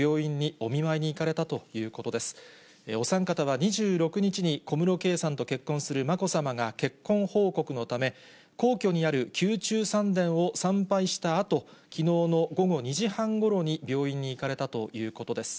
お三方は２６日に、小室圭さんと結婚するまこさまが結婚報告のため、皇居にある宮中三殿を参拝したあと、きのうの午後２時半ごろに病院に行かれたということです。